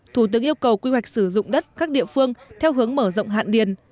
thủ tướng yêu cầu quy hoạch sử dụng đất các địa phương theo hướng mở rộng hạn điền